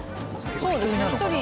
そうですね１人。